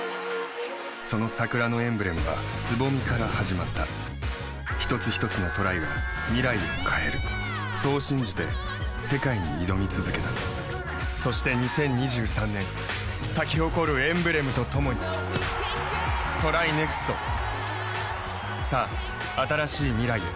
その桜のエンブレムは蕾から始まった一つひとつのトライが未来を変えるそう信じて世界に挑み続けたそして２０２３年咲き誇るエンブレムとともにＴＲＹＮＥＸＴさあ、新しい未来へ。